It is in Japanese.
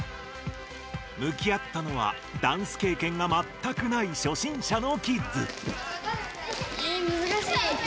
向き合ったのはダンスけいけんがまったくない初心者のキッズ。